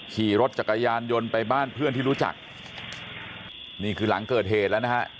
ขี่รถจักรยานยนต์ไปบ้านเพื่อนที่รู้จักนี่คือหลังเกิดเหตุแล้วนะฮะ